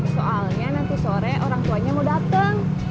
soalnya nanti sore orang tuanya mau datang